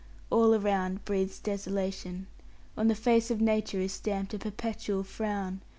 All around breathes desolation; on the face of nature is stamped a perpetual frown.